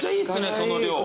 その量。